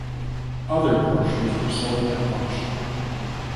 Other portions were sold at auction.